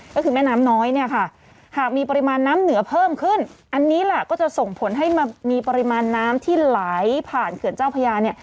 ก็คือแม่น้ำน้อยเนี่ยค่ะหากมีปริมาณน้ำเหนือเพิ่มขึ้นอันนี้แหละก็จะส่งผลให้มีปริมาณน้ำที่ไหลผ่านเขื่อนเจ้าพญาเนี่ย